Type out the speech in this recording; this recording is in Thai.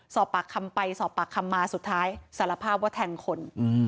สอบปากคำไปสอบปากคำมาสุดท้ายสารภาพว่าแทงคน